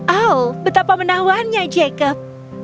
oh betapa menawannya jacob